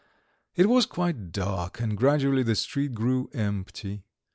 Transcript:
It was quite dark, and gradually the street grew empty.